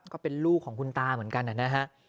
ก็เป็นลูกของคุณตาเหมือนกันนะฮะ